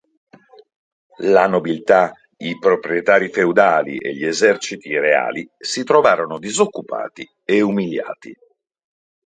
La nobiltà, i proprietari feudali e gli eserciti reali si trovarono disoccupati e umiliati.